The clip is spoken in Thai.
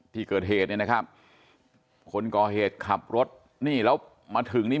ที่เกิดเหตุเนี่ยนะครับคนก่อเหตุขับรถนี่แล้วมาถึงนี่